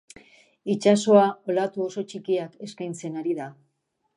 Itsasoa olatu oso txikiak eskaintzen ari da.